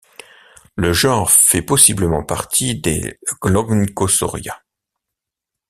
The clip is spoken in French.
Le genre fait possiblement partie des Lognkosauria.